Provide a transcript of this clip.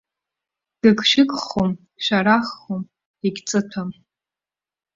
Гыгшәыгхом, шәараххом, егьҵыҭәам.